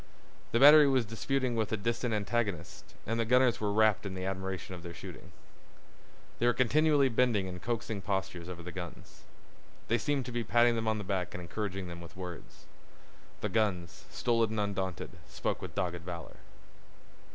The battery was disputing with a distant antagonist and the gunners were wrapped in admiration of their shooting. They were continually bending in coaxing postures over the guns. They seemed to be patting them on the back and encouraging them with words. The guns, stolid and undaunted, spoke with dogged valor.